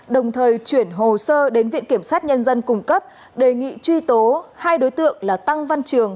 đồng thời chuyển hồ sơ đến viện kiểm sát nhân dân cung cấp đề nghị truy tố hai đối tượng là tăng văn trường